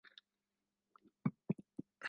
Kikanisa liko chini ya Jimbo Kuu la Kinshasa.